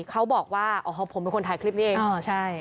เขาบอกว่าโอ้โหผมเป็นคนถ่ายคลิปนี้เองอ๋อใช่